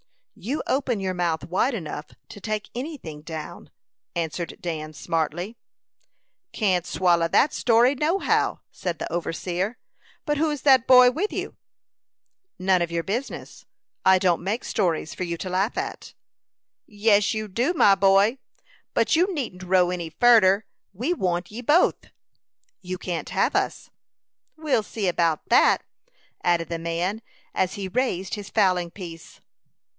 "You open your mouth wide enough to take any thing down," answered Dan, smartly. "Can't swallow that story, no how," said the overseer. "But who's that boy with you?" "None of your business. I don't make stories for you to laugh at." "Yes, you do, my boy. But you needn't row any furder. We want ye both." "You can't have us." "We'll see about that," added the man, as he raised his fowling piece.